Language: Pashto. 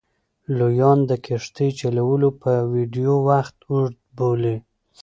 لویان د کښتۍ چلولو پر ویډیو وخت اوږد بولي.